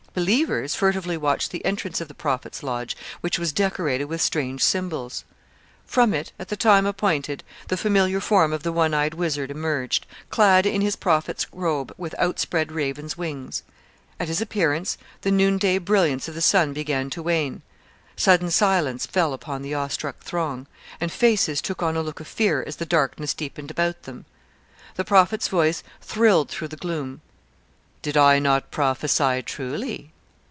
Believers furtively watched the entrance of the Prophet's lodge, which was decorated with strange symbols. From it at the time appointed the familiar form of the one eyed wizard emerged, clad in his prophet's robe with outspread raven's wings. At his appearance the noonday brilliance of the sun began to wane. Sudden silence fell upon the awestruck throng, and faces took on a look of fear as the darkness deepened about them. The Prophet's voice thrilled through the gloom. 'Did I not prophesy truly?